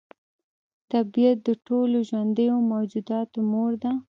طبیعت د ټولو ژوندیو موجوداتو مور ده.